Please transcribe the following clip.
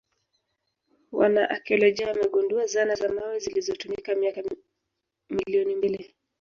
Wanaakiolojia wamegundua zana za mawe zilizotumika miaka milioni mbili